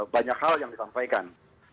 banyak hal yang disampaikan